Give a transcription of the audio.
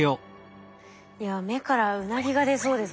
いや目からウナギが出そうです。